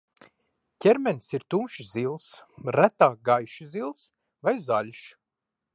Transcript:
Ķermenis ir tumši zils, retāk gaiši zils vai zaļš.